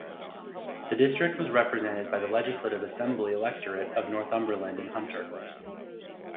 The district was represented by the Legislative Assembly electorate of Northumberland and Hunter.